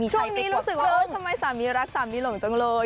ช่วงนี้รู้สึกว่าเออทำไมสามีรักสามีหลงจังเลย